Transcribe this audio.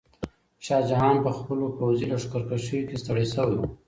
شاه جهان په خپلو پوځي لښکرکشیو کې ستړی شوی و.